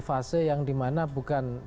fase yang dimana bukan